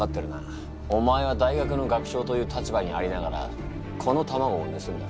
お前は大学の学長という立場にありながらこの卵をぬすんだ。